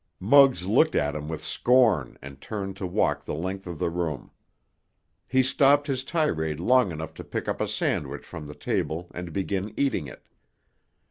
Muggs looked at him with scorn and turned to walk the length of the room. He stopped his tirade long enough to pick up a sandwich from the table and begin eating it.